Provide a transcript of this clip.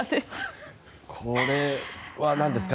これは何ですか？